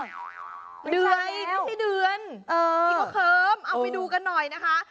ไม่ใช่แล้วนี่ก็เขิมเอาไปดูกันหน่อยนะคะ